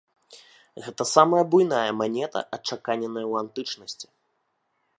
Гэта самая буйная манета, адчаканеная ў антычнасці.